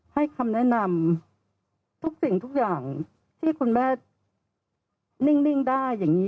ให้คำแนะนำทุกสิ่งทุกอย่างที่คุณแม่นิ่งได้อย่างนี้